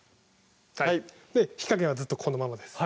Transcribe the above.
火加減はずっとこのままです